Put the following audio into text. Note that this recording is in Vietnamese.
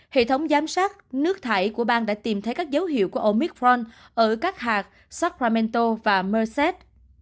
hệ thống giám sát nước thải của bang đã tìm thấy các dấu hiệu của omicron ở các hạt sukramento và merset